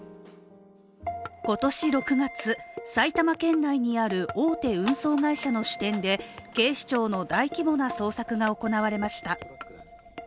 今年６月、埼玉県内にある大手運送会社の支店で警視庁の大規模な捜索が行われました。